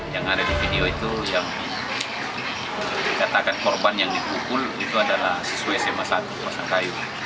yang ada di video itu yang dikatakan korban yang dipukul itu adalah siswa sma satu pasangkayu